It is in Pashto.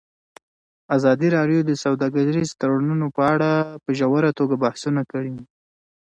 ازادي راډیو د سوداګریز تړونونه په اړه په ژوره توګه بحثونه کړي.